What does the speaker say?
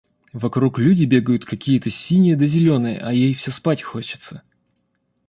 Вокруг люди бегают какие-то синие да зеленые, а ей всё спать хочется.